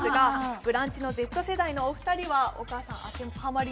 「ブランチ」のＺ世代のお二人は？